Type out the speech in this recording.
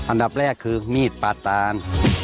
อันดับแรกคือมีดปาตาน